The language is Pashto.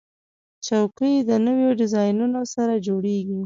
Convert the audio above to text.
چوکۍ د نوو ډیزاینونو سره جوړیږي.